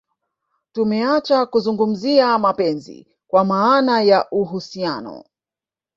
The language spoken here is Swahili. Tumeacha kuzungumzia mapenzi kwa maana ya uhusiano